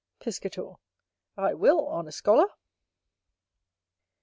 Piscator. I will, honest scholar.